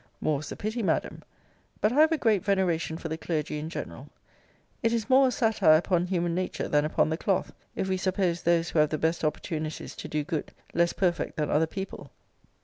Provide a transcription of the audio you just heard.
More's the pity, Madam. But I have a great veneration for the clergy in general. It is more a satire upon human nature than upon the cloth, if we suppose those who have the best opportunities to do good, less perfect than other people.